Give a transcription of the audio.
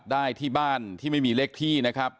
ได้ที่บ้านที่ไม่มีเลขที่นะครับ